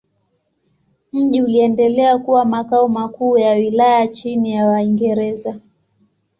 Mji uliendelea kuwa makao makuu ya wilaya chini ya Waingereza.